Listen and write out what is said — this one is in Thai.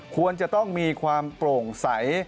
ควรจะต้องมีความโปร่งใส